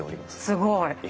すごい。